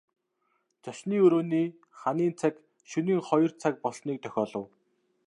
Зочны өрөөний ханын цаг шөнийн хоёр цаг болсныг дохиолов.